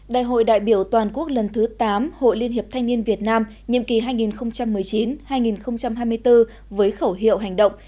đại hội đại biểu toàn quốc lần thứ tám hội liên hiệp thanh niên việt nam nhiệm kỳ hai nghìn một mươi chín hai nghìn hai mươi bốn với khẩu hiệu hành động